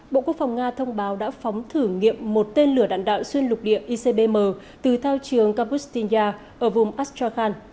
bộ quốc phòng nga thông báo đã phóng thử nghiệm một tên lửa đạn đạo xuyên lục địa icbm từ thao trường kabustainia ở vùng astrakhand